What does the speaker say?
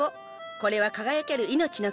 これは輝ける命の結晶。